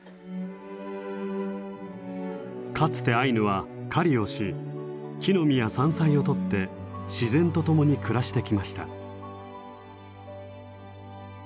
かつてアイヌは狩りをし木の実や山菜を採って自然と共に暮らしてきました。